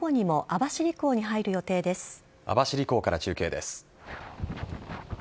網走港から中継です。